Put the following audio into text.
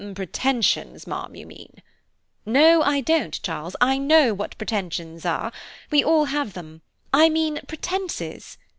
"Pretensions, ma'am, you mean." "No, I don't, Charles, I know what pretensions are, we all have them; I mean pretences.